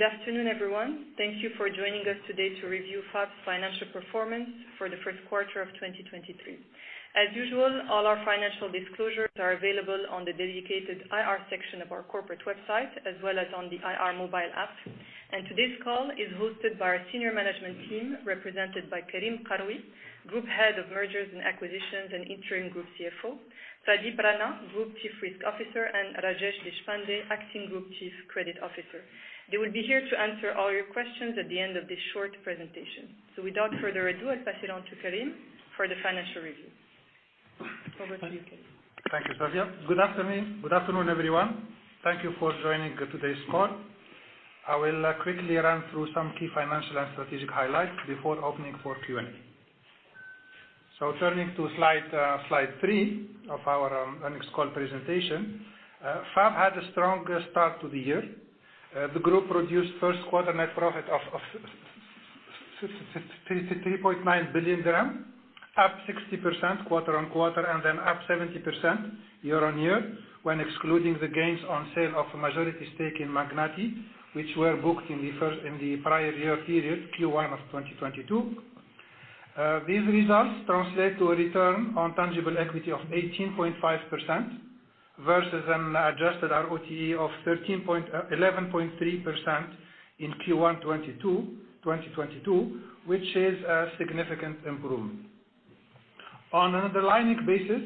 Good afternoon, everyone. Thank you for joining us today to review FAB's financial performance for the first quarter of 2023. As usual, all our financial disclosures are available on the dedicated IR section of our corporate website, as well as on the IR mobile app. Today's call is hosted by our senior management team, represented by Karim Karoui, Group Head of Mergers and Acquisitions and Interim Group CFO, Pradeep Rana, Group Chief Risk Officer, and Rajesh Deshpande, Acting Group Chief Credit Officer. They will be here to answer all your questions at the end of this short presentation. Without further ado, I'll pass it on to Karim for the financial review. Over to you, Karim. Thank you, Sofia. Good afternoon, good afternoon, everyone. Thank you for joining today's call. I will quickly run through some key financial and strategic highlights before opening for Q&A. Turning to slide three of our earnings call presentation. FAB had a strong start to the year. The group produced first quarter net profit of 3.9 billion dirham, up 60% quarter-on-quarter and up 70% year-on-year when excluding the gains on sale of a majority stake in Magnati, which were booked in the prior year period, Q1 2022. These results translate to a return on tangible equity of 18.5% versus an adjusted ROTE of 11.3% in Q1 2022, which is a significant improvement. On an underlying basis,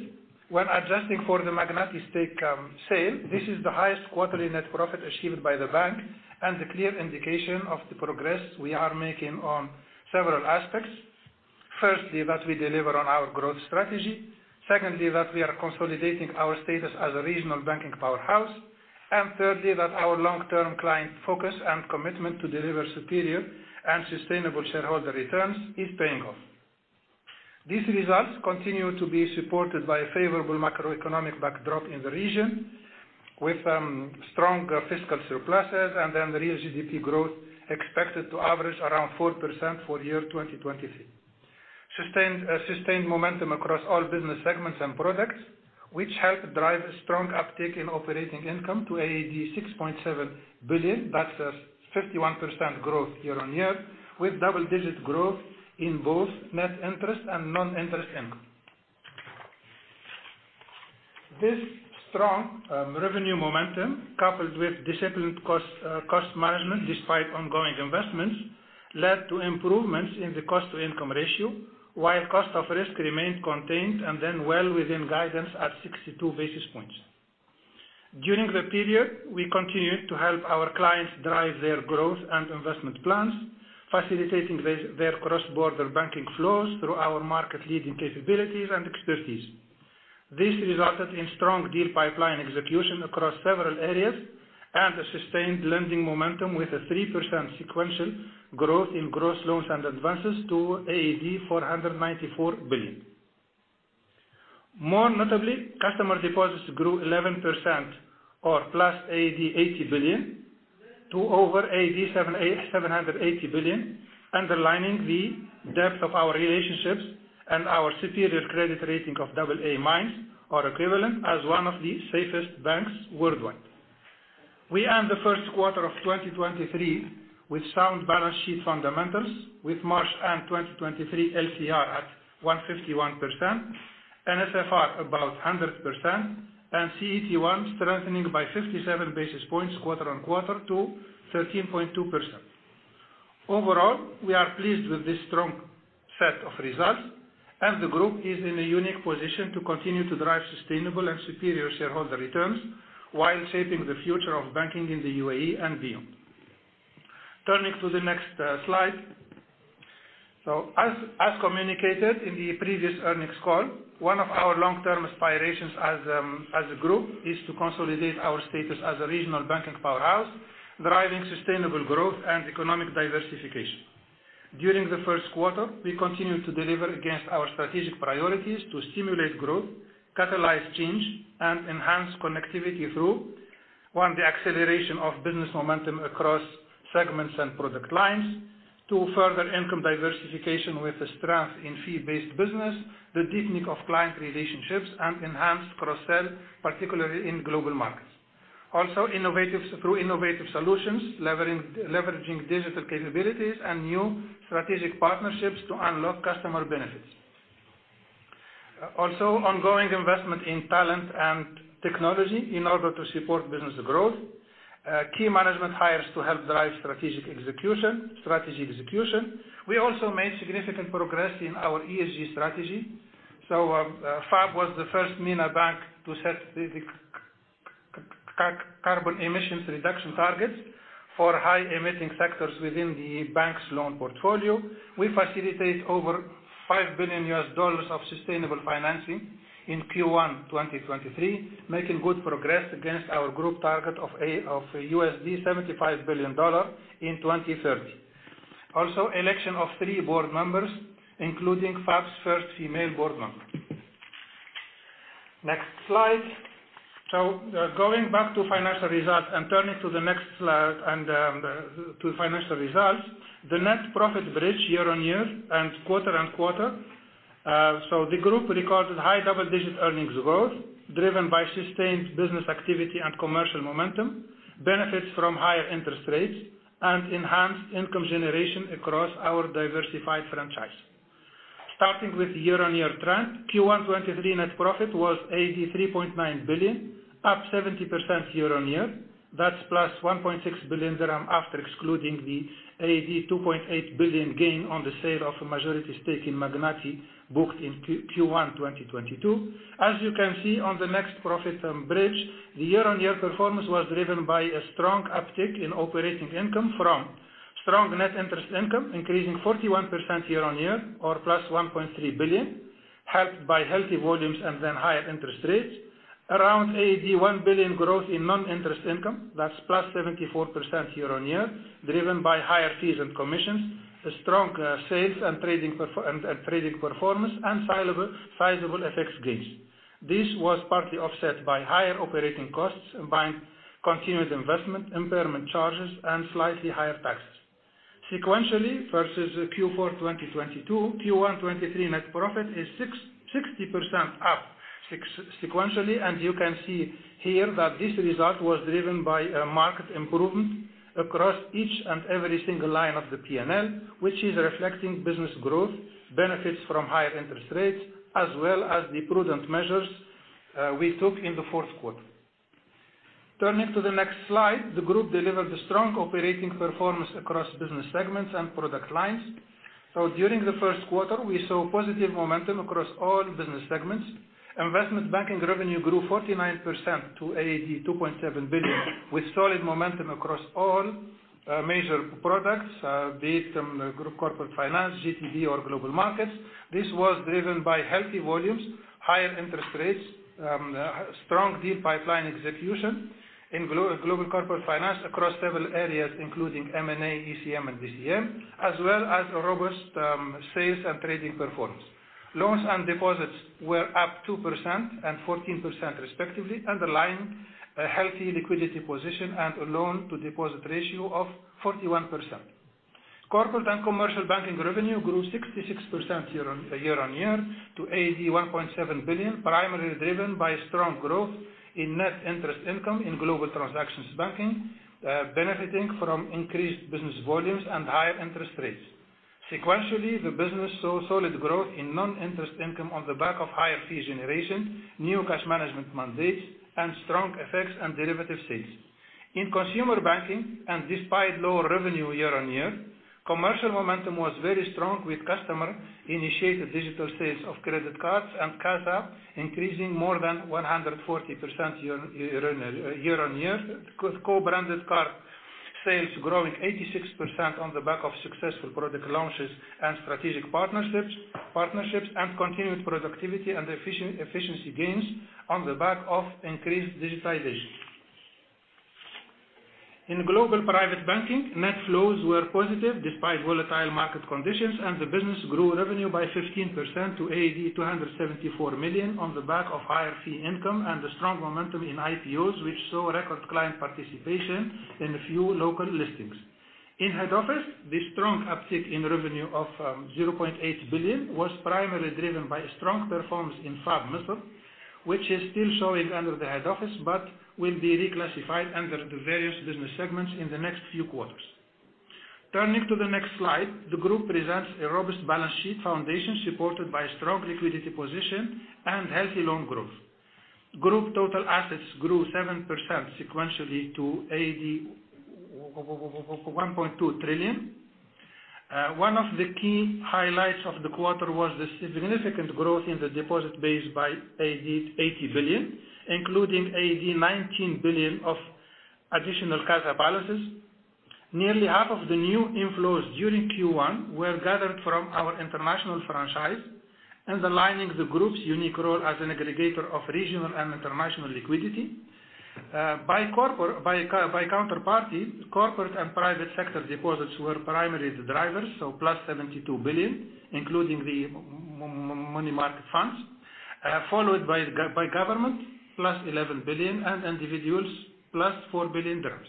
when adjusting for the Magnati stake, sale, this is the highest quarterly net profit achieved by the bank and the clear indication of the progress we are making on several aspects. Firstly, that we deliver on our growth strategy. Secondly, that we are consolidating our status as a regional banking powerhouse. Thirdly, that our long-term client focus and commitment to deliver superior and sustainable shareholder returns is paying off. These results continue to be supported by a favorable macroeconomic backdrop in the region with strong fiscal surpluses and then the real GDP growth expected to average around 4% for the year 2023. Sustained momentum across all business segments and products, which help drive strong uptake in operating income to 6.7 billion. That's a 51% growth year-on-year, with double-digit growth in both net interest and non-interest income. This strong revenue momentum, coupled with disciplined cost management despite ongoing investments, led to improvements in the cost-to-income ratio, while cost of risk remained contained and then well within guidance at 62 basis points. During the period, we continued to help our clients drive their growth and investment plans, facilitating their cross-border banking flows through our market-leading capabilities and expertise. This resulted in strong deal pipeline execution across several areas and a sustained lending momentum with a 3% sequential growth in gross loans and advances to AED 494 billion. More notably, customer deposits grew 11% or +80 billion to over 780 billion, underlining the depth of our relationships and our superior credit rating of AA- or equivalent as one of the safest banks worldwide. We end the first quarter of 2023 with sound balance sheet fundamentals, with March end 2023 LCR at 151%, NSFR about 100%, and CET1 strengthening by 57 basis points quarter on quarter to 13.2%. Overall, we are pleased with this strong set of results. The group is in a unique position to continue to drive sustainable and superior shareholder returns while shaping the future of banking in the UAE and beyond. Turning to the next slide. As communicated in the previous earnings call, one of our long-term aspirations as a group is to consolidate our status as a regional banking powerhouse, driving sustainable growth and economic diversification. During the first quarter, we continued to deliver against our strategic priorities to stimulate growth, catalyze change, and enhance connectivity through: One, the acceleration of business momentum across segments and product lines. Two, further income diversification with a strength in fee-based business, the deepening of client relationships and enhanced cross-sell, particularly in Global Markets. Through innovative solutions, leveraging digital capabilities and new strategic partnerships to unlock customer benefits. Ongoing investment in talent and technology in order to support business growth. Key management hires to help drive strategic execution. We also made significant progress in our ESG strategy. FAB was the first MENA bank to set the carbon emissions reduction targets for high emitting sectors within the bank's loan portfolio. We facilitate over $5 billion of sustainable financing in Q1 2023, making good progress against our group target of $75 billion in 2030. Also, election of three board members, including FAB's first female board member. Next slide. Going back to financial results and turning to the next slide. The net profit bridge year-on-year and quarter-on-quarter. The group recorded high double-digit earnings growth driven by sustained business activity and commercial momentum, benefits from higher interest rates, and enhanced income generation across our diversified franchise. Starting with year-on-year trend, Q1 2023 net profit was 3.9 billion, up 70% year-on-year. That's +1.6 billion dirham after excluding the 2.8 billion gain on the sale of a majority stake in Magnati booked in Q1 2022. As you can see on the next profit bridge, the year-on-year performance was driven by a strong uptick in operating income from strong net interest income, increasing 41% year-on-year or +1.3 billion, helped by healthy volumes and then higher interest rates. Around AED 1 billion growth in non-interest income, that's +74% year-on-year, driven by higher fees and commissions, a strong sales and trading performance, and sizable FX gains. This was partly offset by higher operating costs by continued investment, impairment charges, and slightly higher taxes. Sequentially versus Q4 2022, Q1 2023 net profit is 60% up sequentially, and you can see here that this result was driven by a market improvement across each and every single line of the P&L, which is reflecting business growth, benefits from higher interest rates, as well as the prudent measures we took in the fourth quarter. Turning to the next slide, the group delivered a strong operating performance across business segments and product lines. During the first quarter, we saw positive momentum across all business segments. Investment banking revenue grew 49% to 2.7 billion with solid momentum across all major products, be it group corporate finance, GTB or Global Markets. This was driven by healthy volumes, higher interest rates, strong deal pipeline execution in Global Corporate Finance across several areas, including M&A, ECM and DCM, as well as robust sales and trading performance. Loans and deposits were up 2% and 14% respectively, underlying a healthy liquidity position and a loan to deposit ratio of 41%. Corporate and commercial banking revenue grew 66% year on year to 1.7 billion, primarily driven by strong growth in net interest income in Global Transaction Banking, benefiting from increased business volumes and higher interest rates. Sequentially, the business saw solid growth in non-interest income on the back of higher fee generation, new cash management mandates, and strong FX and derivative sales. In consumer banking, despite lower revenue year-on-year, commercial momentum was very strong with customer-initiated digital sales of credit cards and CASA increasing more than 140% year-on-year. Co-branded card sales growing 86% on the back of successful product launches and strategic partnerships and continued productivity and efficiency gains on the back of increased digitization. In global private banking, net flows were positive despite volatile market conditions, the business grew revenue by 15% to 274 million on the back of higher fee income and the strong momentum in IPOs, which saw record client participation in a few local listings. In head office, the strong uptick in revenue of 0.8 billion was primarily driven by strong performance in FABMISR, which is still showing under the head office but will be reclassified under the various business segments in the next few quarters. Turning to the next slide, the group presents a robust balance sheet foundation supported by strong liquidity position and healthy loan growth. Group total assets grew 7% sequentially to 1.2 trillion. One of the key highlights of the quarter was the significant growth in the deposit base by 80 billion, including 19 billion of additional CASA balances. Nearly half of the new inflows during Q1 were gathered from our international franchise, underlining the group's unique role as an aggregator of regional and international liquidity. by counterparty, corporate and private sector deposits were primarily the drivers, so plus 72 billion, including the money market funds, followed by government, plus 11 billion, and individuals, plus 4 billion dirhams.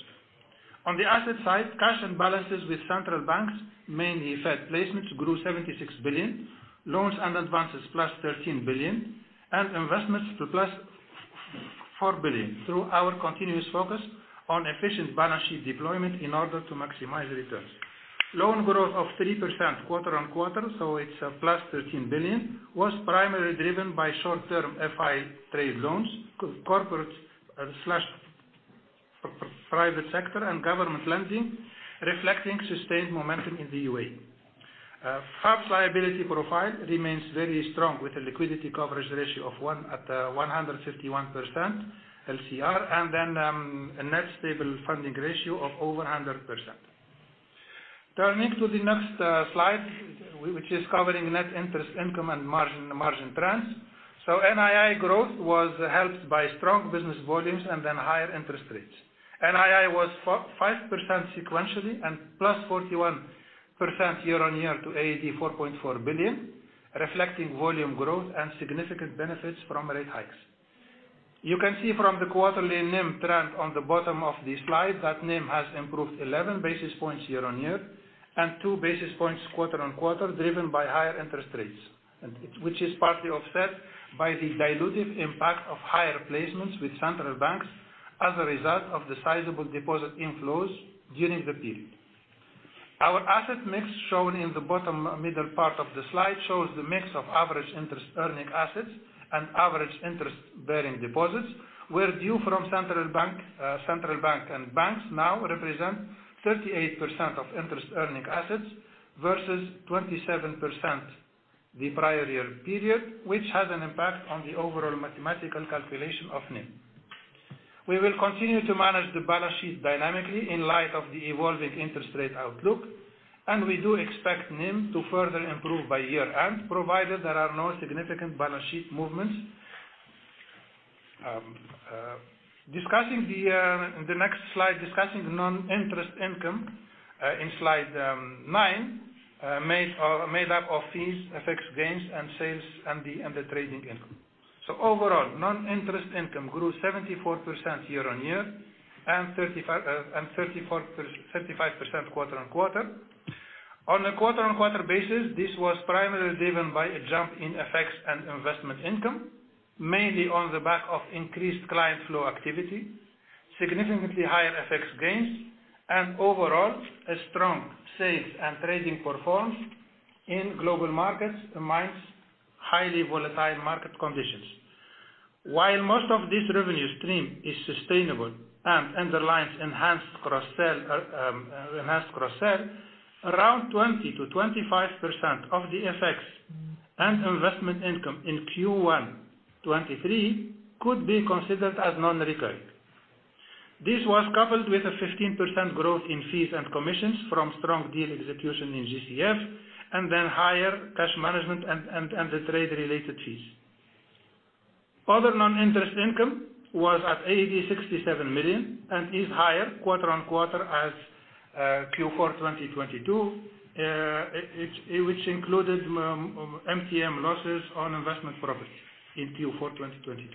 On the asset side, cash and balances with central banks, mainly Fed placements, grew 76 billion, loans and advances plus 13 billion, and investments to plus 4 billion through our continuous focus on efficient balance sheet deployment in order to maximize returns. Loan growth of 3% quarter-on-quarter, so it's plus 13 billion, was primarily driven by short-term FI trade loans, corporates slash private sector and government lending, reflecting sustained momentum in the UAE. FAB's liability profile remains very strong with a liquidity coverage ratio of one at 151% LCR, and a net stable funding ratio of over 100%. Turning to the next slide, which is covering net interest income and margin trends. NII growth was helped by strong business volumes and then higher interest rates. NII was 5% sequentially and +41% year-on-year to AED 4.4 billion, reflecting volume growth and significant benefits from rate hikes. You can see from the quarterly NIM trend on the bottom of the slide that NIM has improved 11 basis points year-on-year and 2 basis points quarter-on-quarter, driven by higher interest rates. Which is partly offset by the dilutive impact of higher placements with central banks as a result of the sizable deposit inflows during the period. Our asset mix, shown in the bottom middle part of the slide, shows the mix of average interest earning assets and average interest-bearing deposits, where due from central bank, central bank and banks now represent 38% of interest earning assets versus 27% the prior year period, which has an impact on the overall mathematical calculation of NIM. We will continue to manage the balance sheet dynamically in light of the evolving interest rate outlook, we do expect NIM to further improve by year-end, provided there are no significant balance sheet movements. discussing the next slide, discussing the non-interest income in slide nine, made up of fees, FX gains and sales and the trading income. Overall, non-interest income grew 74% year-on-year and 35% quarter-on-quarter. On a quarter-on-quarter basis, this was primarily driven by a jump in FX and investment income, mainly on the back of increased client flow activity, significantly higher FX gains, and overall a strong sales and trading performance in Global Markets amidst highly volatile market conditions. While most of this revenue stream is sustainable and underlines enhanced cross-sell, 20%-25% of the FX and investment income in Q1 2023 could be considered as non-recurring. This was coupled with a 15% growth in fees and commissions from strong deal execution in GCF then higher cash management and the trade-related fees. Other non-interest income was at 67 million and is higher quarter-on-quarter as Q4 2022 included MTM losses on investment properties in Q4 2022.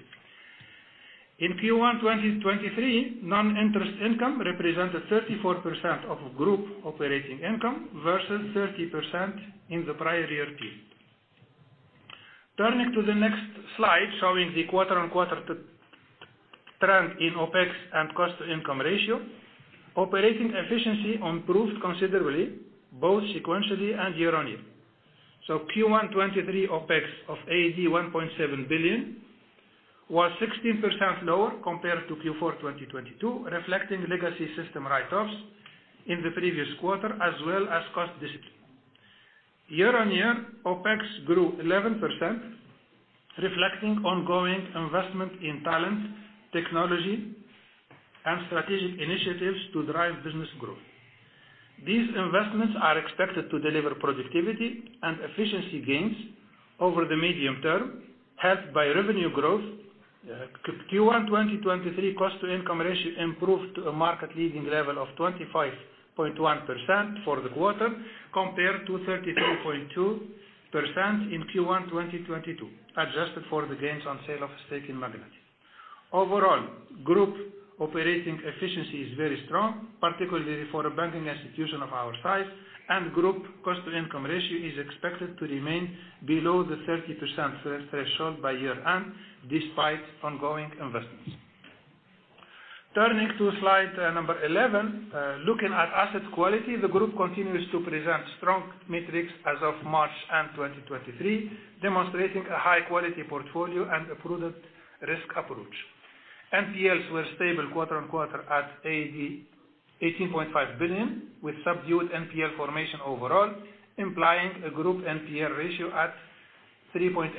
In Q1 2023, non-interest income represented 34% of group operating income versus 30% in the prior year period. Turning to the next slide, showing the quarter-on-quarter trend in OpEx and cost-to-income ratio. Operating efficiency improved considerably, both sequentially and year-on-year. Q1 '23 OpEx of AED 1.7 billion was 16% lower compared to Q4 2022, reflecting legacy system write-offs in the previous quarter, as well as cost discipline. Year-on-year, OpEx grew 11%, reflecting ongoing investment in talent, technology and strategic initiatives to drive business growth. These investments are expected to deliver productivity and efficiency gains over the medium term, helped by revenue growth. Q1 2023 cost-to-income ratio improved to a market leading level of 25.1% for the quarter, compared to 32.2% in Q1 2022, adjusted for the gains on sale of stake in Magnati. Overall, group operating efficiency is very strong, particularly for a banking institution of our size, and group cost-to-income ratio is expected to remain below the 30% threshold by year-end, despite ongoing investments. Turning to slide number 11, looking at asset quality, the group continues to present strong metrics as of March end 2023, demonstrating a high quality portfolio and a prudent risk approach. NPLs were stable quarter-on-quarter at 18.5 billion, with subdued NPL formation overall, implying a group NPL ratio at 3.8%.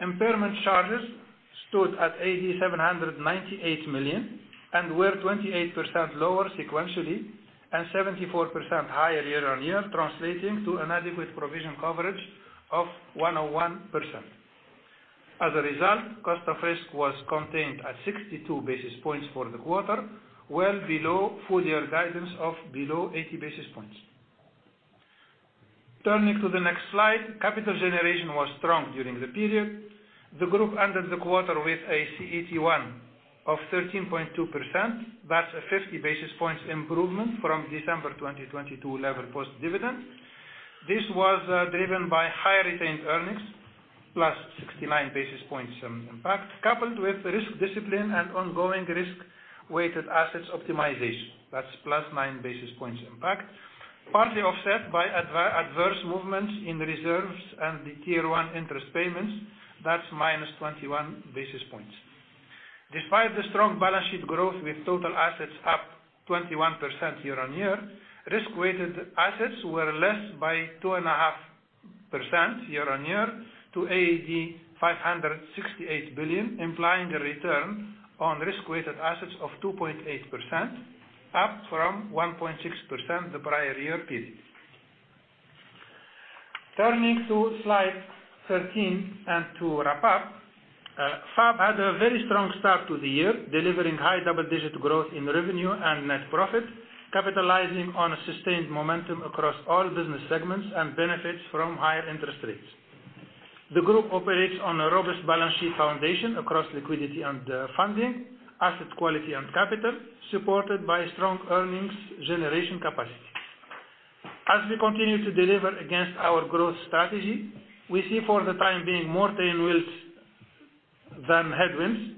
Impairment charges stood at 798 million and were 28% lower sequentially and 74% higher year-on-year, translating to an adequate provision coverage of 101%. Result, cost of risk was contained at 62 basis points for the quarter, well below full year guidance of below 80 basis points. Turning to the next slide, capital generation was strong during the period. The group ended the quarter with a CET1 of 13.2%. That's a 50 basis points improvement from December 2022 level post dividend. This was driven by higher retained earnings, plus 69 basis points impact, coupled with risk discipline and ongoing risk weighted assets optimization. That's plus 9 basis points impact, partly offset by adverse movements in reserves and the Tier I interest payments. That's minus 21 basis points. Despite the strong balance sheet growth with total assets up 21% year-on-year, risk-weighted assets were less by 2.5% year-on-year to AED 568 billion, implying a return on risk-weighted assets of 2.8%, up from 1.6% the prior year period. Turning to slide 13 and to wrap up, FAB had a very strong start to the year, delivering high double-digit growth in revenue and net profit, capitalizing on a sustained momentum across all business segments and benefits from higher interest rates. The group operates on a robust balance sheet foundation across liquidity and funding, asset quality and capital, supported by strong earnings generation capacity. As we continue to deliver against our growth strategy, we see for the time being more tailwinds than headwinds.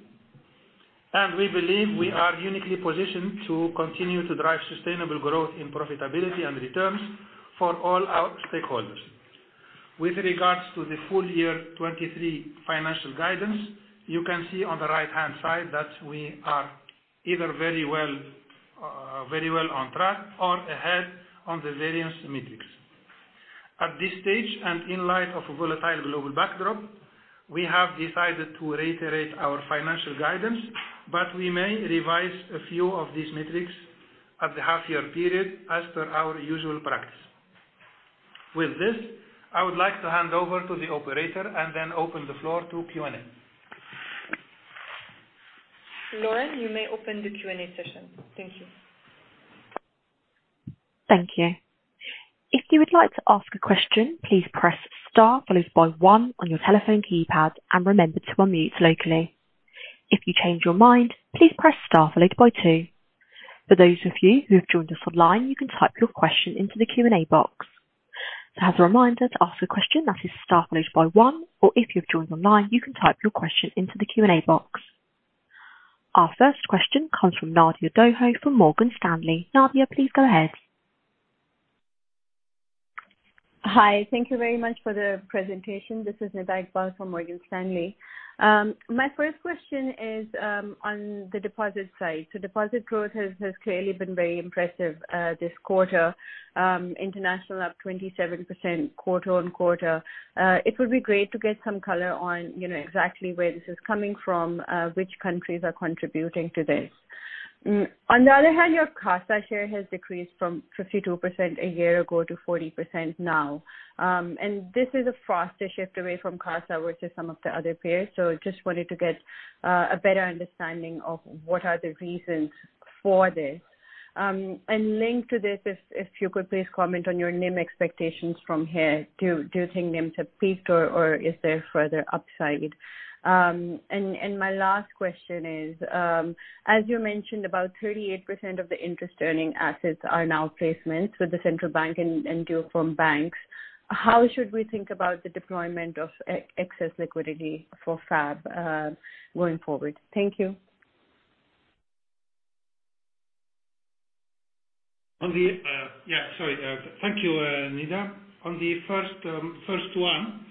We believe we are uniquely positioned to continue to drive sustainable growth in profitability and returns for all our stakeholders. With regards to the full year 23 financial guidance, you can see on the right-hand side that we are either very well on track or ahead on the various metrics. At this stage, in light of a volatile global backdrop, we have decided to reiterate our financial guidance. We may revise a few of these metrics at the half year period as per our usual practice. With this, I would like to hand over to the operator and then open the floor to Q&A. Lauren, you may open the Q&A session. Thank you. Thank you. If you would like to ask a question, please press Star followed by one on your telephone keypad and remember to unmute locally. If you change your mind, please press Star followed by two. For those of you who have joined us online, you can type your question into the Q&A box. As a reminder to ask a question that is Star followed by one, or if you've joined online, you can type your question into the Q&A box. Our first question comes from Nida Iqbal from Morgan Stanley. Nadia, please go ahead. Hi. Thank you very much for the presentation. This is Nida Iqbal from Morgan Stanley. My first question is on the deposit side. Deposit growth has clearly been very impressive this quarter. International up 27% quarter-on-quarter. It would be great to get some color on, you know, exactly where this is coming from, which countries are contributing to this. On the other hand, your CASA share has decreased from 52% a year ago to 40% now. This is a faster shift away from CASA versus some of the other peers. Just wanted to get a better understanding of what are the reasons for this. Linked to this, if you could please comment on your NIM expectations from here. Do you think NIMs have peaked or is there further upside? My last question is, as you mentioned, about 38% of the interest earning assets are now placements with the central bank and due from banks. How should we think about the deployment of excess liquidity for FAB going forward? Thank you. On the, sorry. Thank you, Nida. On the first one.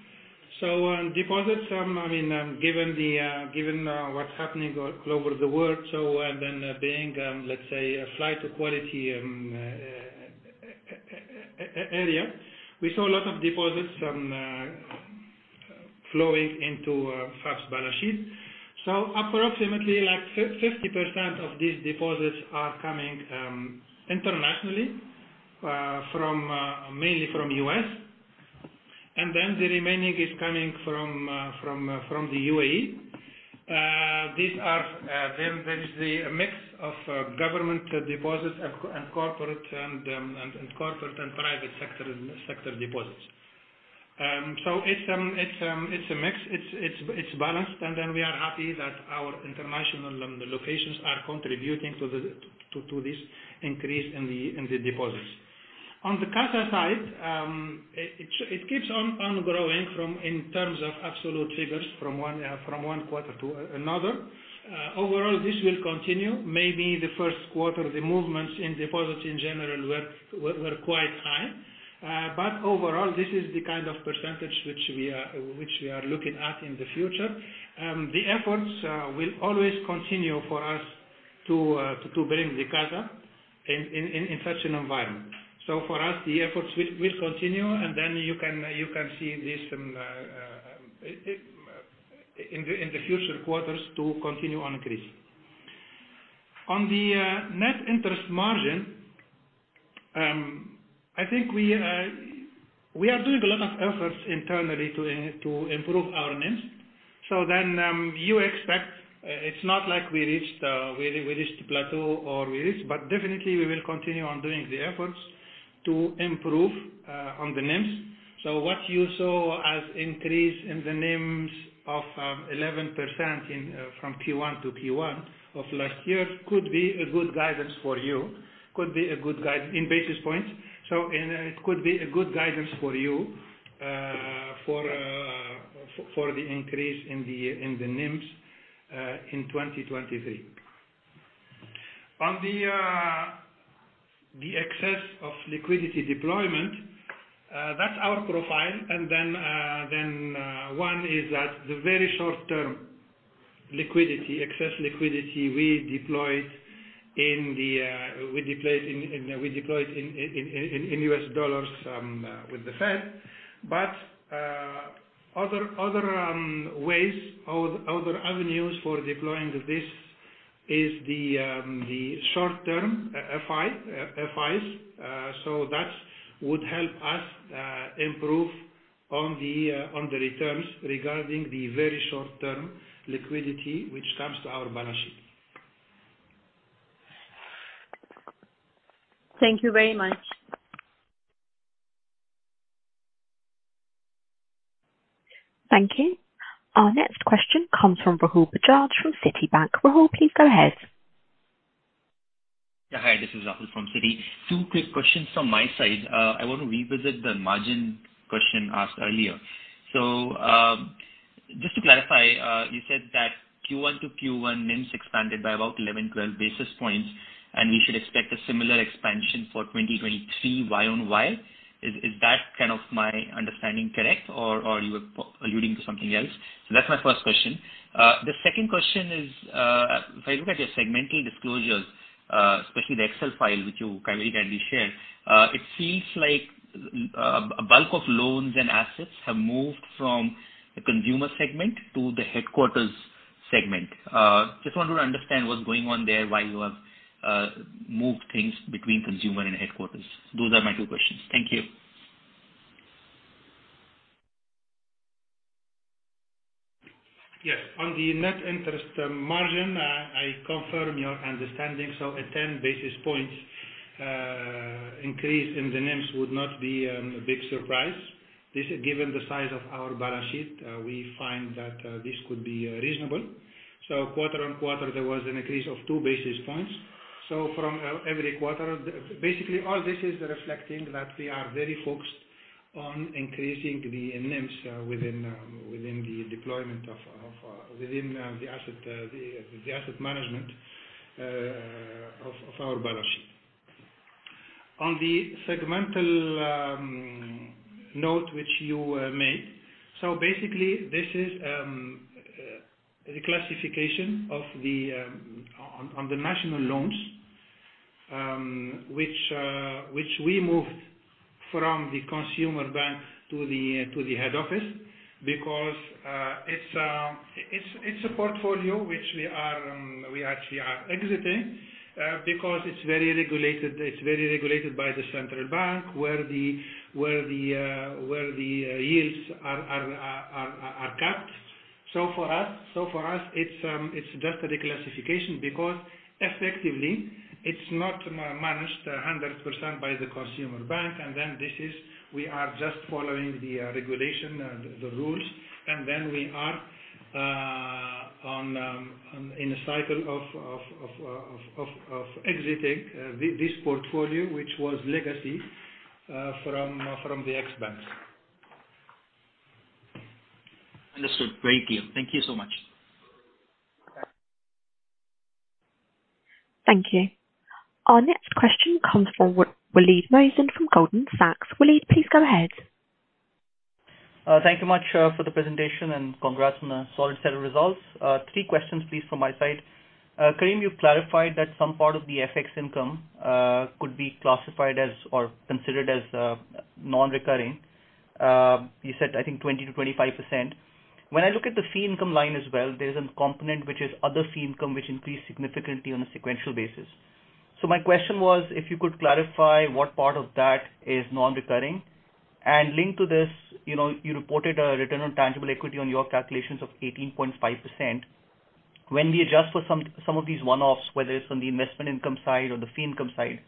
Deposits, I mean, given the given what's happening all over the world, being let's say, a flight to quality area, we saw a lot of deposits flowing into FAB's balance sheet. Approximately like 50% of these deposits are coming internationally from mainly from U.S. The remaining is coming from from the UAE. These are there is a mix of government deposits and corporate and private sector deposits. It's it's it's a mix. It's, it's balanced. We are happy that our international locations are contributing to this increase in the deposits. On the CASA side, it keeps on growing from in terms of absolute figures from one quarter to another. Overall, this will continue. Maybe the first quarter, the movements in deposits in general were quite high. Overall, this is the kind of percentage which we are looking at in the future. The efforts will always continue for us to bring the CASA in such an environment. For us, the efforts will continue, you can see this in the future quarters to continue on increasing. On the net interest margin, I think we are doing a lot of efforts internally to improve our NIMs. You expect, it's not like we reached, we reached plateau or we reached, but definitely we will continue on doing the efforts to improve on the NIMs. What you saw as increase in the NIMs of 11% in from Q1-Q1 of last year could be a good guidance for you, could be a good guide in basis points. It could be a good guidance for you, for the increase in the NIMs in 2023. On the excess of liquidity deployment, that's our profile. One is that the very short-term liquidity, excess liquidity we deployed in US dollars with the Fed. Other ways, other avenues for deploying this is the short-term FI, FIs. That would help us improve on the returns regarding the very short-term liquidity which comes to our balance sheet. Thank you very much. Thank you. Our next question comes from Rahul Bajaj from Citibank. Rahul, please go ahead. Yeah. Hi, this is Rahul from Citi. Two quick questions from my side. I want to revisit the margin question asked earlier. Just to clarify, you said that Q1-Q1, NIMs expanded by about 11-12 basis points, and we should expect a similar expansion for 2023 Y-on-Y. Is that kind of my understanding correct or you were alluding to something else? That's my first question. The second question is, if I look at your segmental disclosures, especially the Excel file, which you very kindly shared, it seems like a bulk of loans and assets have moved from the consumer segment to the headquarters segment. Just wanted to understand what's going on there, why you have moved things between consumer and headquarters. Those are my two questions. Thank you. Yes. On the net interest margin, I confirm your understanding. A 10 basis points increase in the NIMs would not be a big surprise. This is given the size of our balance sheet, we find that this could be reasonable. Quarter-on-quarter, there was an increase of 2 basis points. From every quarter, basically, all this is reflecting that we are very focused on increasing the NIMs within the deployment of within the asset management of our balance sheet. On the segmental note which you made. Basically this is the classification of the on the national loans which we moved from the consumer bank to the head office because it's a portfolio which we actually are exiting because it's very regulated, it's very regulated by the central bank, where the yields are capped. For us, it's just a reclassification because effectively it's not managed 100% by the consumer bank. This is we are just following the regulation and the rules. We are on in a cycle of exiting this portfolio, which was legacy from the ex-banks. Understood. Great deal. Thank you so much. Thank you. Our next question comes from Waleed Mohsin from Goldman Sachs. Waleed, please go ahead. Thank you much for the presentation and congrats on a solid set of results. Three questions please from my side. Karim, you've clarified that some part of the FX income could be classified as or considered as non-recurring. You said, I think 20%-25%. When I look at the fee income line as well, there's a component which is other fee income which increased significantly on a sequential basis. My question was, if you could clarify what part of that is non-recurring. Linked to this, you know, you reported a return on tangible equity on your calculations of 18.5%. When we adjust for some of these one-offs, whether it's on the investment income side or the fee income side,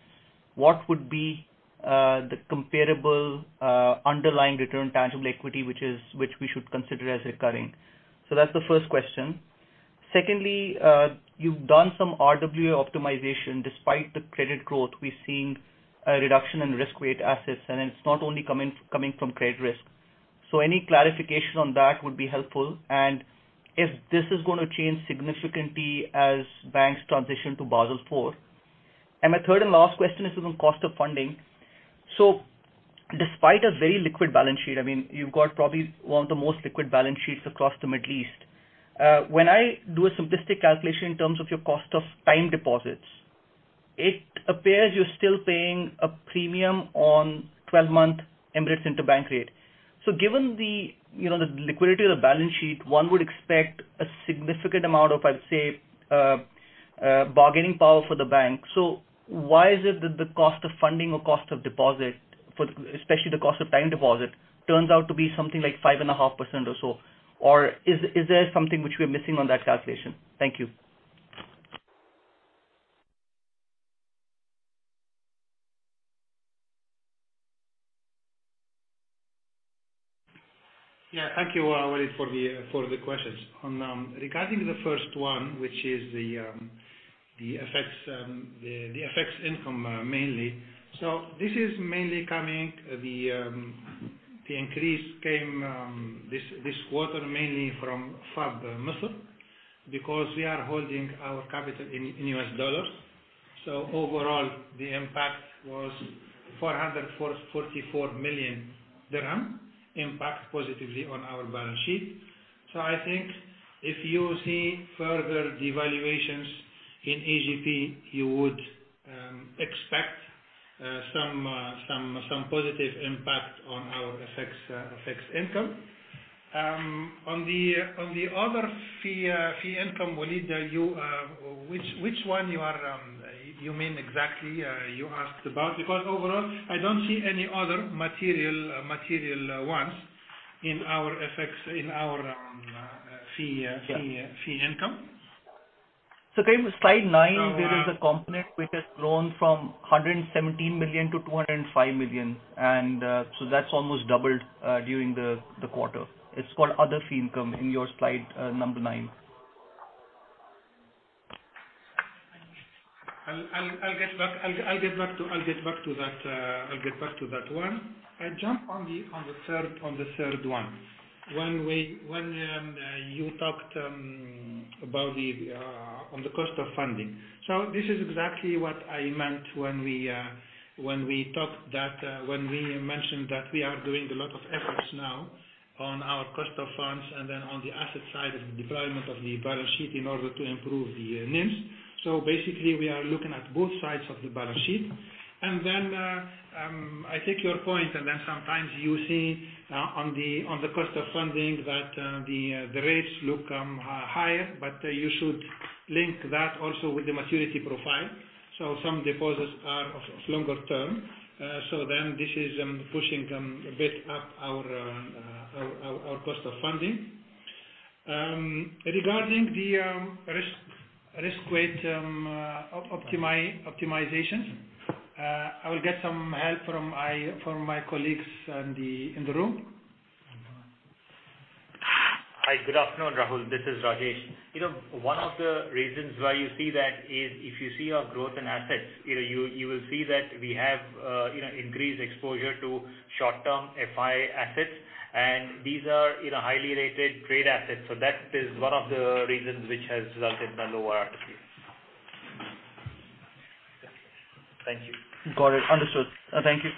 what would be the comparable underlying return tangible equity, which is, which we should consider as recurring? That's the first question. Secondly, you've done some RWA optimization. Despite the credit growth, we're seeing a reduction in risk weight assets, and it's not only coming from credit risk. Any clarification on that would be helpful. If this is gonna change significantly as banks transition to Basel IV. My third and last question is on cost of funding. Despite a very liquid balance sheet, I mean, you've got probably one of the most liquid balance sheets across the Middle East. When I do a simplistic calculation in terms of your cost of time deposits, it appears you're still paying a premium on 12-month Emirates Interbank Rate. Given the, you know, the liquidity of the balance sheet, one would expect a significant amount of, I'd say, bargaining power for the bank. Why is it that the cost of funding or cost of deposit for especially the cost of time deposit, turns out to be something like 5.5% or so? Is there something which we're missing on that calculation? Thank you. Thank you, Waleed Mohsin, for the questions. Regarding the first one, which is the FX income mainly. This is mainly coming. The increase came this quarter, mainly from FAB Muscat because we are holding our capital in US dollars. Overall, the impact was 444 million dirham impact positively on our balance sheet. I think if you see further devaluations in EGP, you would expect some positive impact on our FX income. On the other fee income, Waleed Mohsin, which one you mean exactly, you asked about? Overall, I don't see any other material ones in our FX, in our fee income. Karim, slide nine, there is a component which has grown from 117 million-205 million. That's almost doubled during the quarter. It's called other fee income in your slide number nine. I'll get back to that one. I jump on the third one. When you talked about the on the cost of funding. This is exactly what I meant when we talked that, when we mentioned that we are doing a lot of efforts now on our cost of funds and then on the asset side of the deployment of the balance sheet in order to improve the NIMs. Basically, we are looking at both sides of the balance sheet. I take your point, and then sometimes you see on the cost of funding that, the rates look higher. You should link that also with the maturity profile. Some deposits are of longer term. This is pushing a bit up our cost of funding. Regarding the risk weight optimization, I will get some help from my colleagues in the room. Hi. Good afternoon, Rahul. This is Rajesh. You know, one of the reasons why you see that is if you see our growth in assets, you know, you will see that we have, you know, increased exposure to short-term FI assets, and these are, you know, highly rated trade assets. That is one of the reasons which has resulted in the lower RTP. Thank you. Got it. Understood. Thank you.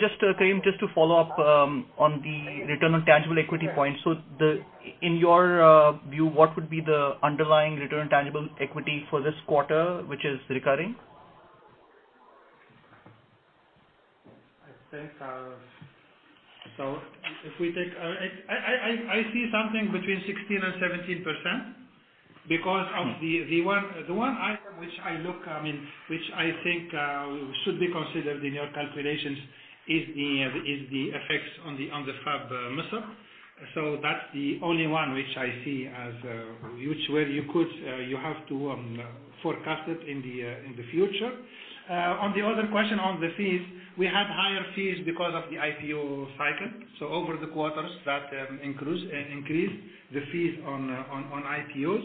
Just, Karim, just to follow up on the return on tangible equity point. In your view, what would be the underlying return tangible equity for this quarter, which is recurring? I think, if we take, I see something between 16% and 17% because of the one item which I look, which I think should be considered in your calculations is the effects on the FAB Muscat. That's the only one which I see as which way you could, you have to forecast it in the future. On the other question on the fees, we have higher fees because of the IPO cycle. Over the quarters that increase the fees on IPOs.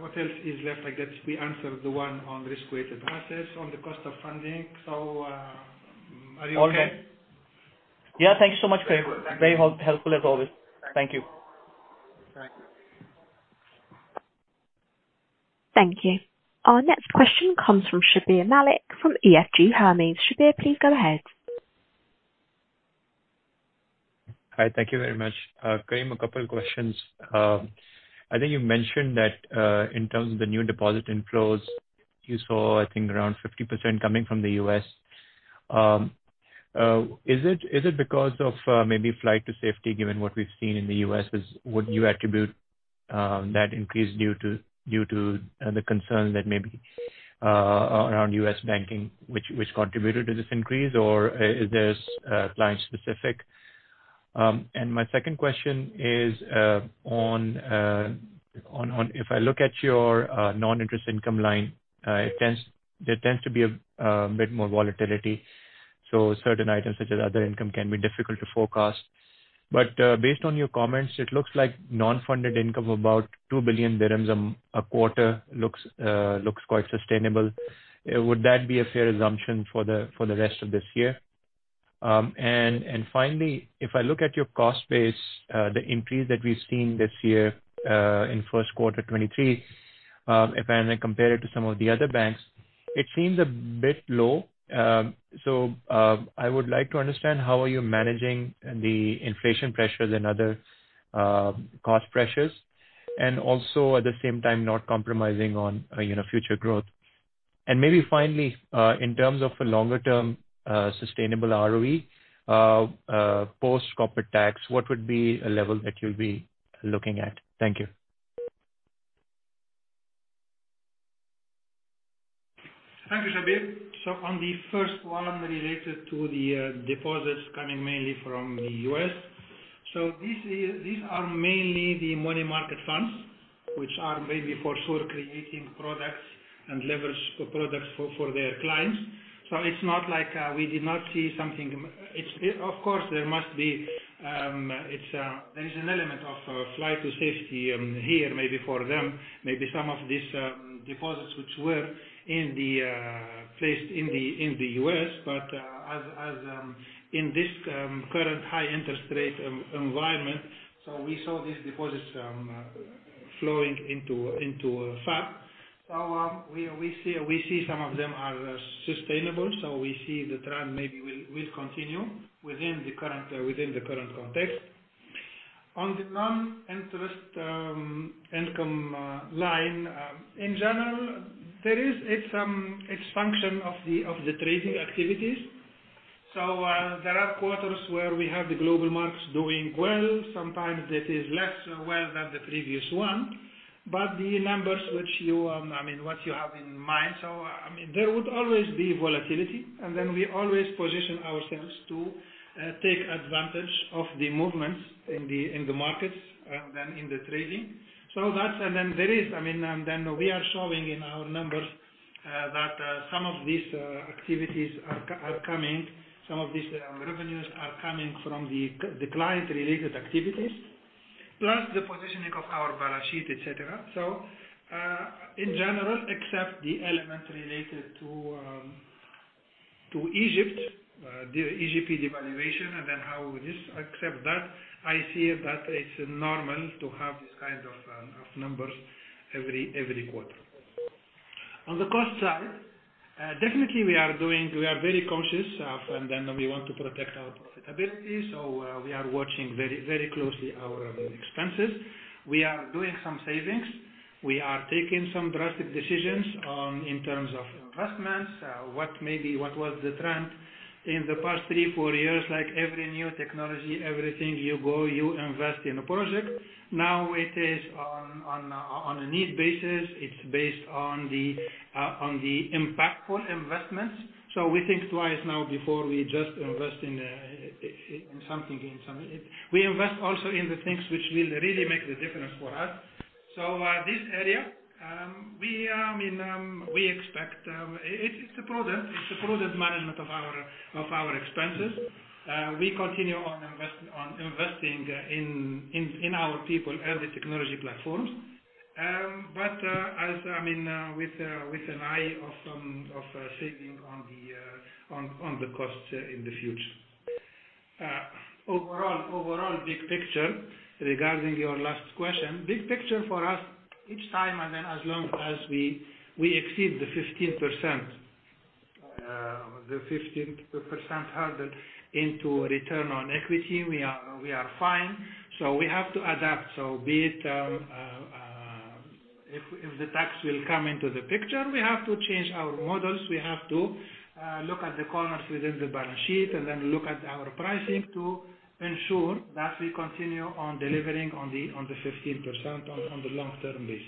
What else is left? I guess we answered the one on risk-weighted assets, on the cost of funding. Are you okay? Okay. Yeah. Thank you so much, Karim. Very good. Thank you. Very helpful as always. Thank you. Thank you. Thank you. Our next question comes from Shabbir Malik from EFG Hermes. Shabbir, please go ahead. Hi. Thank you very much. Karim, a couple questions. I think you mentioned that in terms of the new deposit inflows, you saw, I think, around 50% coming from the U.S. Is it because of maybe flight to safety given what we've seen in the U.S. is would you attribute that increase due to the concern that maybe around U.S. banking which contributed to this increase or is this client specific? My second question is on if I look at your non-interest income line, it tends, there tends to be a bit more volatility, so certain items such as other income can be difficult to forecast. Based on your comments, it looks like non-funded income of about 2 billion dirhams a quarter looks quite sustainable. Would that be a fair assumption for the rest of this year? Finally, if I look at your cost base, the increase that we've seen this year in Q1 2023, if I then compare it to some of the other banks, it seems a bit low. I would like to understand how are you managing the inflation pressures and other cost pressures and also at the same time not compromising on, you know, future growth. Maybe finally, in terms of a longer term sustainable ROE post corporate tax, what would be a level that you'll be looking at? Thank you. Thank you, Shabbir. On the first one related to the deposits coming mainly from the U.S. These are mainly the money market funds which are maybe for sure creating products and leverage products for their clients. It's not like we did not see something. Of course, there must be an element of flight to safety here maybe for them. Maybe some of these deposits which were in the placed in the US. As in this current high interest rate environment. We saw these deposits flowing into FAB. We see some of them are sustainable. We see the trend maybe will continue within the current context. On the non-interest income line, in general, there is, it's function of the trading activities. There are quarters where we have the Global Markets doing well. Sometimes it is less well than the previous one. The numbers which you, I mean, what you have in mind. I mean, there would always be volatility, and then we always position ourselves to take advantage of the movements in the markets than in the trading. That's. There is, I mean, then we are showing in our numbers that some of these activities are coming, some of these revenues are coming from the client-related activities, plus the positioning of our balance sheet, et cetera. In general, except the element related to Egypt, the EGP devaluation, and then how we just accept that, I see that it's normal to have these kind of numbers every quarter. On the cost side, definitely we are doing. We are very conscious of, and then we want to protect our profitability, so, we are watching very, very closely our expenses. We are doing some savings. We are taking some drastic decisions on in terms of investments. What may be, what was the trend in the past three, four years, like every new technology, everything you go, you invest in a project. Now it is on a need basis. It's based on the impactful investments. We think twice now before we just invest in something. We invest also in the things which will really make the difference for us. This area, I mean, we expect. It's a prudent management of our expenses. We continue on investing in our people and the technology platforms. As, I mean, with an eye of saving on the costs in the future. Overall big picture regarding your last question. Big picture for us, each time and then as long as we exceed the 15% hurdle into return on equity, we are fine. We have to adapt. Be it, if the tax will come into the picture, we have to change our models. We have to look at the corners within the balance sheet, and then look at our pricing to ensure that we continue on delivering on the, on the 15% on the long-term basis.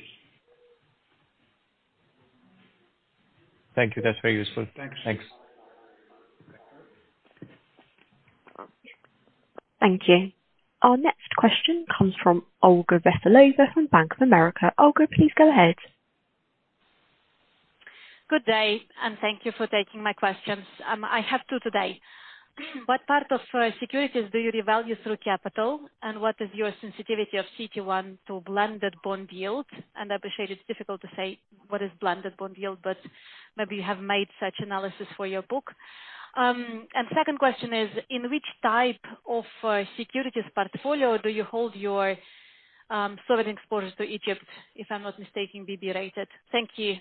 Thank you. That's very useful. Thanks. Thanks. Thank you. Our next question comes from Olga Veselova from Bank of America. Olga, please go ahead. Good day, and thank you for taking my questions. I have two today. What part of securities do you revalue through capital? What is your sensitivity of CET1 to blended bond yields? I appreciate it's difficult to say what is blended bond yield, but maybe you have made such analysis for your book. Second question is, in which type of securities portfolio do you hold your sovereign exposure to Egypt, if I'm not mistaken, BB rated? Thank you.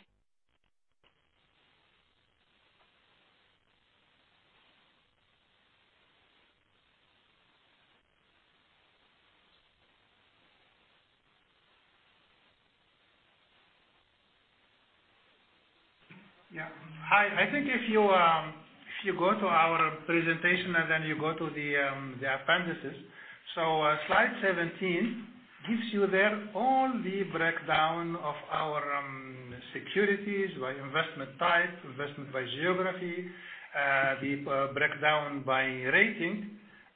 Yeah. Hi. I think if you, if you go to our presentation, you go to the appendices. Slide 17 gives you there all the breakdown of our, securities by investment type, investment by geography, the, breakdown by rating.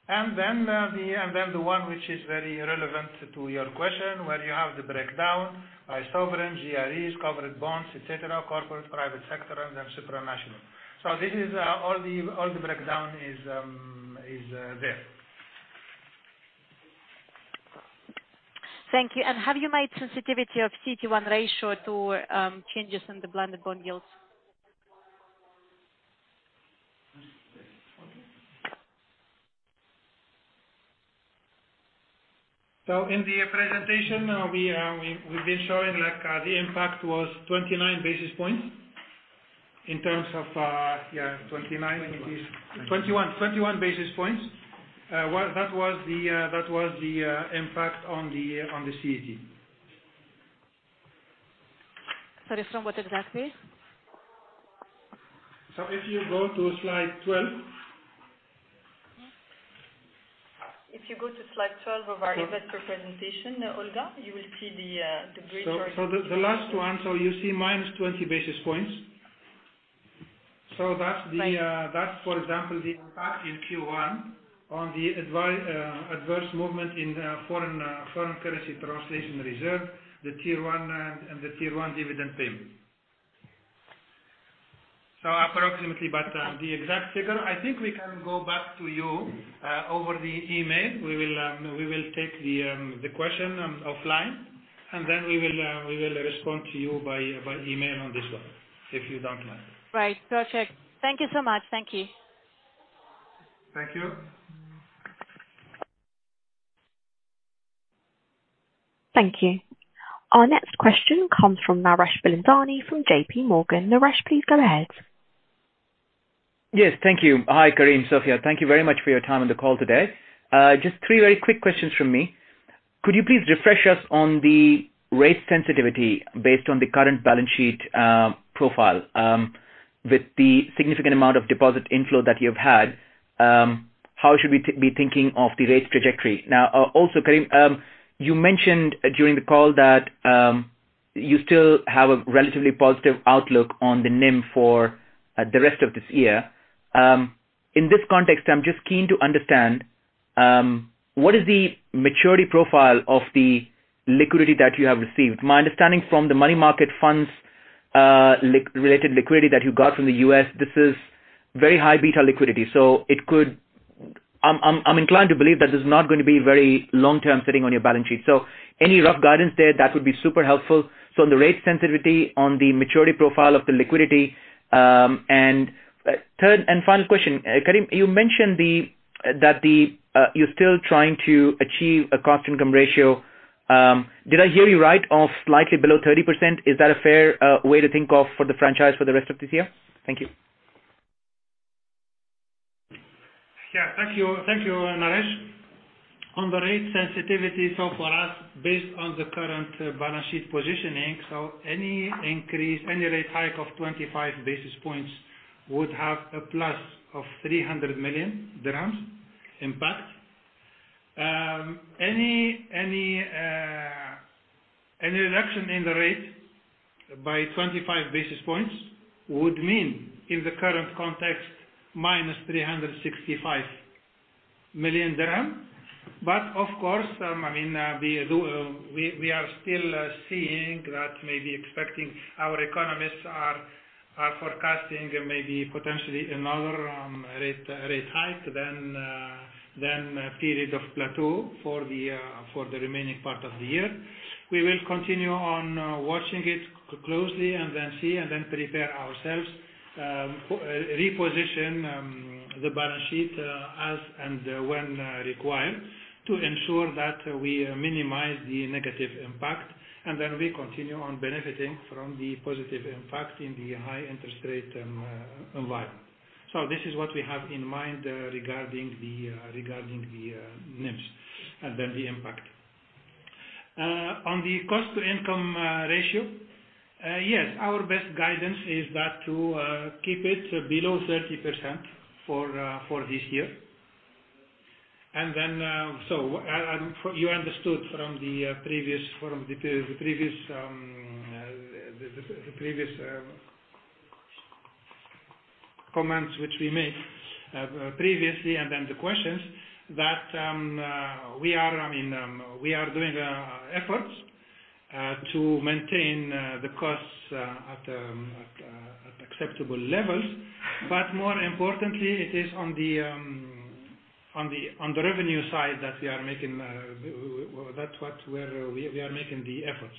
The, the one which is very relevant to your question, where you have the breakdown by sovereign, GREs, covered bonds, et cetera, corporate, private sector, and then supranational. This is, all the breakdown is there. Thank you. Have you made sensitivity of CET1 ratio to changes in the blended bond yields? In the presentation, we've been showing like, the impact was 29 basis points in terms of. Yeah, 29 it is. Twenty-one. 21 basis points. That was the impact on the CET. Sorry, from what exactly? If you go to slide 12. If you go to slide 12 of our investor presentation, Olga, you will see the bridge-. The last one. You see minus 20 basis points. That's the. Right. That's for example the impact in Q1 on the adverse movement in the foreign currency translation reserve, the Tier 1 and the Tier 1 dividend payment. Approximately, but the exact figure, I think we can go back to you over the email. We will take the question offline. We will respond to you by email on this one, if you don't mind. Right. Perfect. Thank you so much. Thank you. Thank you. Thank you. Our next question comes from Naresh Bilandani from JPMorgan. Naresh, please go ahead. Yes. Thank you. Hi, Karim, Sofia. Thank you very much for your time on the call today. Just three very quick questions from me. Could you please refresh us on the rate sensitivity based on the current balance sheet, profile, with the significant amount of deposit inflow that you've had, how should we be thinking of the rate trajectory? Now, also Karim, you mentioned during the call that you still have a relatively positive outlook on the NIM for the rest of this year. In this context, I'm just keen to understand what is the maturity profile of the liquidity that you have received? My understanding from the money market funds, related liquidity that you got from the U.S., this is very high beta liquidity, so it could... I'm inclined to believe that this is not gonna be very long-term sitting on your balance sheet. Any rough guidance there, that would be super helpful. On the rate sensitivity, on the maturity profile of the liquidity. Third and final question. Karim, you mentioned that you're still trying to achieve a cost-to-income ratio. Did I hear you right of slightly below 30%? Is that a fair way to think of for the franchise for the rest of this year? Thank you. Thank you. Thank you, Naresh. On the rate sensitivity, for us, based on the current balance sheet positioning, any increase, any rate hike of 25 basis points would have a plus of 300 million dirhams impact. Any reduction in the rate by 25 basis points would mean, in the current context, minus 365 million dirham. Of course, I mean, we do, we are still seeing that maybe expecting our economists are forecasting maybe potentially another rate hike than a period of plateau for the remaining part of the year. We will continue on watching it closely and then see and then prepare ourselves, reposition the balance sheet, as and when required to ensure that we minimize the negative impact, and then we continue on benefiting from the positive impact in the high interest rate environment. This is what we have in mind regarding the NIMs and the impact. On the cost-to-income ratio, yes, our best guidance is that to keep it below 30% for this year. You understood from the previous comments which we made previously and the questions that we are, I mean, we are doing efforts to maintain the costs at acceptable levels. More importantly, it is on the revenue side that we are making, well, that's what we're making the efforts.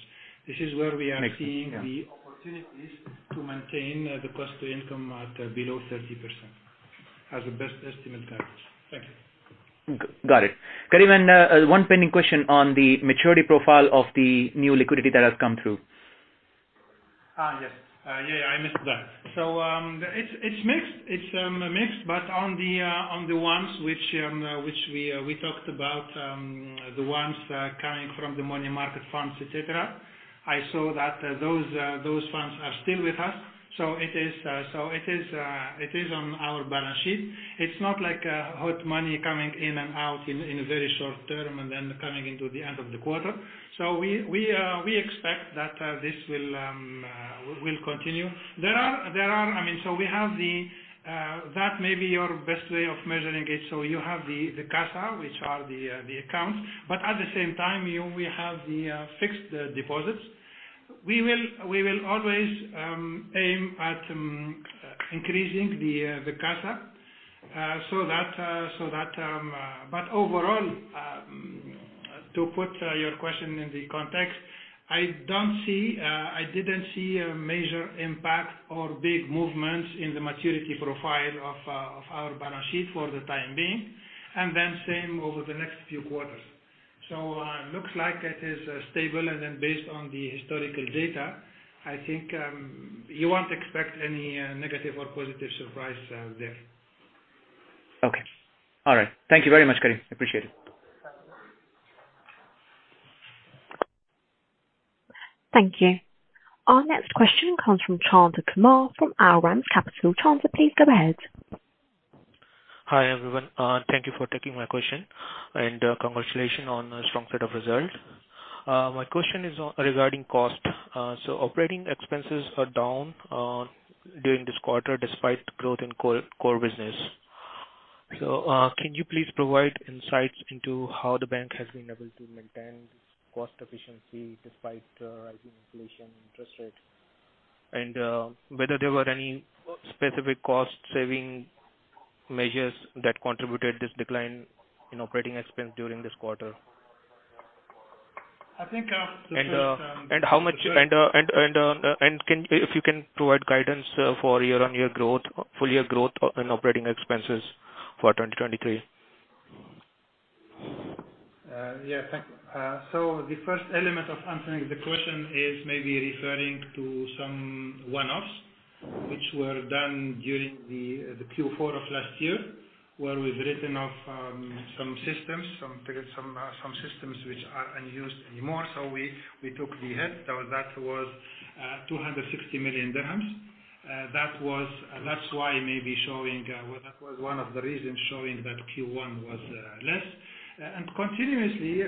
This is where we are seeing the opportunities to maintain the cost to income at below 30% as a best estimate guidance. Thank you. Got it. Karim, one pending question on the maturity profile of the new liquidity that has come through. Yes. Yeah, I missed that. It's mixed. It's mixed, but on the ones which we talked about, the ones coming from the money market funds, et cetera. I saw that those funds are still with us. It is on our balance sheet. It's not like hot money coming in and out in a very short term and then coming into the end of the quarter. We expect that this will continue. There are. I mean, we have the that may be your best way of measuring it. You have the CASA, which are the accounts, but at the same time, we have the fixed deposits. We will always aim at increasing the CASA so that. Overall, to put your question in the context, I don't see, I didn't see a major impact or big movements in the maturity profile of our balance sheet for the time being, and then same over the next few quarters. Looks like it is stable, and then based on the historical data, I think, you won't expect any negative or positive surprise there. Okay. All right. Thank you very much, Karim. Appreciate it. Thank you. Our next question comes from Chanzal Kamal from Arqaam Capital. Chanzal, please go ahead. Hi, everyone. Thank you for taking my question, and congratulations on a strong set of results. My question is regarding cost. Operating expenses are down during this quarter despite growth in core business. Can you please provide insights into how the bank has been able to maintain cost efficiency despite rising inflation and interest rates? Whether there were any specific cost saving measures that contributed this decline in operating expense during this quarter? I think, the first- How much. If you can provide guidance for year-on-year growth, full year growth in operating expenses for 2023. Yes. So the first element of answering the question is maybe referring to some one-offs which were done during the Q4 of last year, where we've written off some systems which are unused anymore. We took the hit. That was 260 million dirhams. That was... That's why maybe showing, well, that was one of the reasons showing that Q1 was less. Continuously,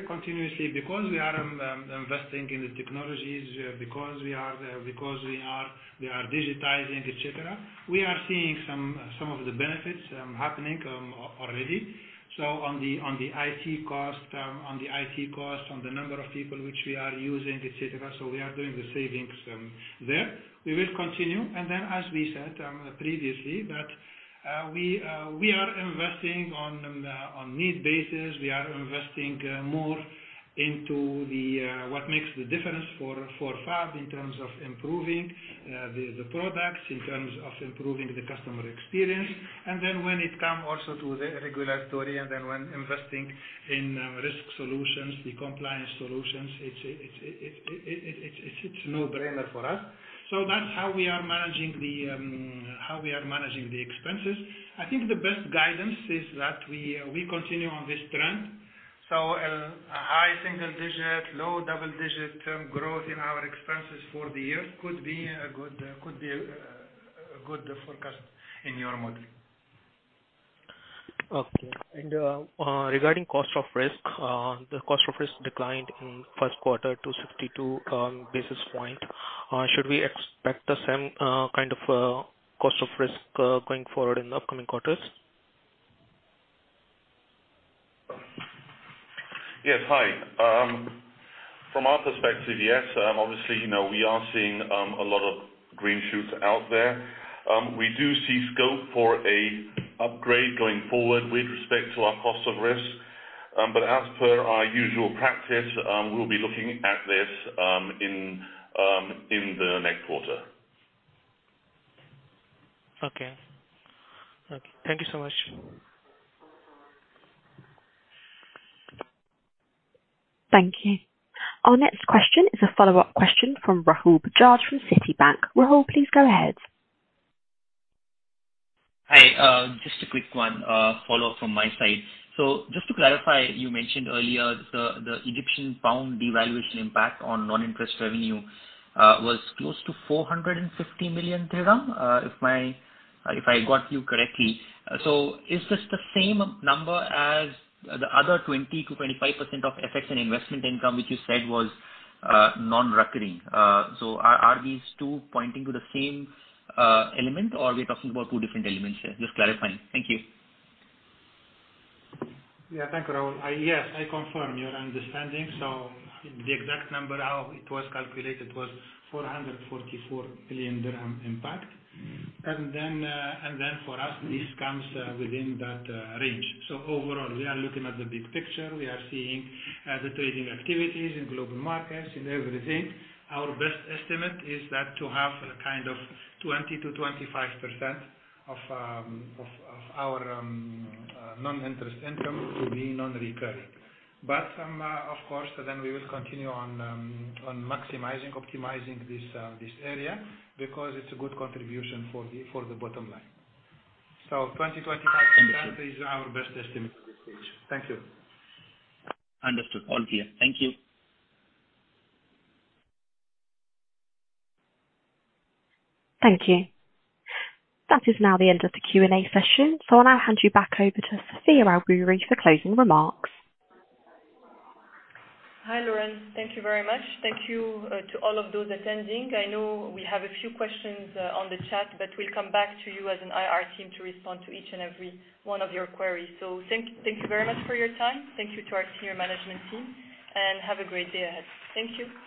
because we are investing in the technologies, because we are digitizing, et cetera. We are seeing some of the benefits happening already. On the IT cost, on the number of people which we are using, et cetera. We are doing the savings there. We will continue. As we said, previously, that we are investing on need basis. We are investing more into what makes the difference for FAB in terms of improving the products, in terms of improving the customer experience. When it come also to the regulatory and then when investing in risk solutions, the compliance solutions, it's a no-brainer for us. That's how we are managing the expenses. I think the best guidance is that we continue on this trend. A high single-digit, low double-digit growth in our expenses for the year could be a good forecast in your model. Okay. Regarding cost of risk, the cost of risk declined in first quarter to 62 basis points. Should we expect the same kind of cost of risk going forward in the upcoming quarters? Yes. Hi. From our perspective, yes. Obviously, you know, we are seeing a lot of green shoots out there. We do see scope for a upgrade going forward with respect to our cost of risk. As per our usual practice, we'll be looking at this in the next quarter. Okay. Okay. Thank you so much. Thank you. Our next question is a follow-up question from Rahul Bajaj from Citibank. Rahul, please go ahead. Hi. Just a quick one, follow-up from my side. Just to clarify, you mentioned earlier the Egyptian pound devaluation impact on non-interest revenue, was close to 450 million dirham, if I got you correctly. Is this the same number as the other 20%-25% of FX and investment income, which you said was, non-recurring? Are, are these two pointing to the same, element, or we're talking about two different elements here? Just clarifying. Thank you. Yeah. Thank you, Rahul. Yes, I confirm your understanding. The exact number, how it was calculated was 444 million dirham impact. For us, this comes within that range. Overall, we are looking at the big picture. We are seeing the trading activities in Global Markets, in everything. Our best estimate is that to have a kind of 20%-25% of our non-interest income to be non-recurring. Of course, then we will continue on maximizing, optimizing this area because it's a good contribution for the bottom line. 20%-25%- Thank you. is our best estimate at this stage. Thank you. Understood. All clear. Thank you. Thank you. That is now the end of the Q&A session. I'll now hand you back over to Sofia El Boury for closing remarks. Hi, Lauren. Thank you very much. Thank you to all of those attending. I know we have a few questions on the chat, but we'll come back to you as an IR team to respond to each and every one of your queries. Thank you very much for your time. Thank you to our senior management team. Have a great day ahead. Thank you.